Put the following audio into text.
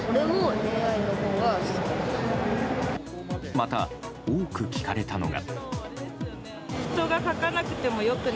また、多く聞かれたのが。